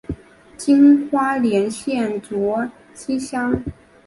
今花莲县卓溪乡。